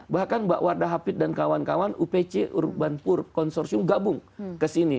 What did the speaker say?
bahkan mbak wardahapit dan kawan kawan upc urban purk konsorsium gabung ke sini